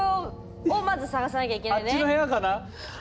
あっちの部屋かな？